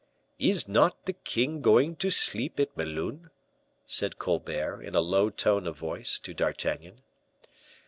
"Is not the king going to sleep at Melun?" said Colbert, in a low tone of voice, to D'Artagnan.